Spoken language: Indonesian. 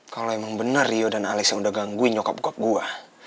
kalau emang bener rio dan alex yang udah gangguin nyokap nyokap gua